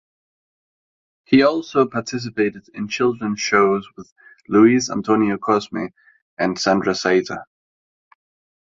He also participated in children's shows with "Luis Antonio Cosme" and Sandra Zaiter.